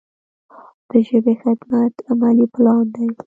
د ژبې خدمت عملي پلان دی.